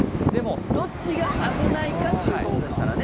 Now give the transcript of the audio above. どっちが危ないかっていうことですからね。